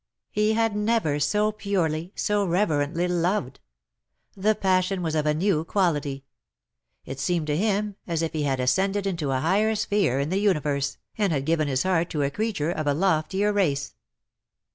He had never so purely, so reverently loved. The passion was of a new quality. It seemed to him as if he had ascended into a higher sphere in the universe, and had given his heart to a creature of a loftier race.